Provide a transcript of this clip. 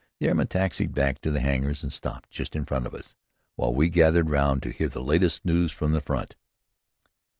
The airman taxied back to the hangars and stopped just in front of us, while we gathered round to hear the latest news from the front.